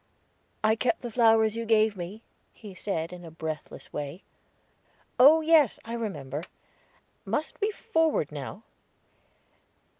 "I kept the flowers you gave me," he said in a breathless way. "Oh yes, I remember; mustn't we forward now?"